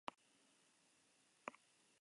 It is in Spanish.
Ha descubierto numerosos asteroides.